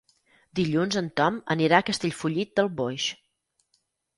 Dilluns en Tom anirà a Castellfollit del Boix.